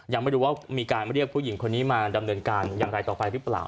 ยังไม่รู้ว่ามีการเรียกผู้หญิงคนนี้มาดำเนินการอย่างไรต่อไปหรือเปล่า